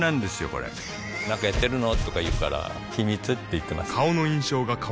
これなんかやってるの？とか言うから秘密って言ってます